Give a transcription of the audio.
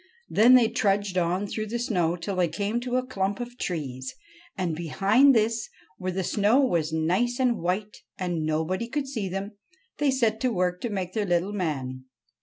Then they trudged on through the snow till they came to a clump of trees, and, behind this, where the snow was nice and white, and nobody could see them, they set to work to make their little man.